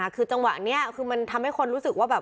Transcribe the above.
คือจังหวะนี้คือมันทำให้คนรู้สึกว่าแบบ